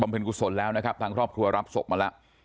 เป็นกุศลแล้วนะครับทางครอบครัวรับศพมาแล้ว